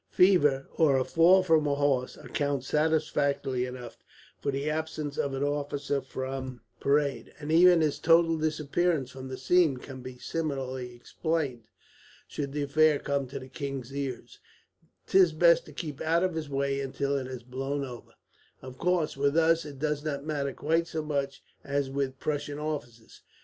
Fever, or a fall from a horse, account satisfactorily enough for the absence of an officer from parade, and even his total disappearance from the scene can be similarly explained. Should the affair come to the king's ears, 'tis best to keep out of his way until it has blown over. "Of course, with us it does not matter quite so much as with Prussian officers.